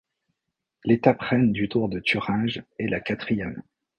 L'étape reine du Tour de Thuringe est la quatrième.